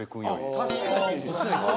確かに。